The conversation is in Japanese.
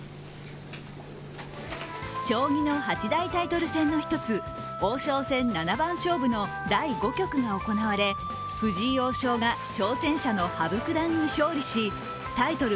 将棋八大タイトル戦の一つ、王将戦七番勝負第５局が行われ、藤井王将が挑戦者の羽生九段に勝利しタイトル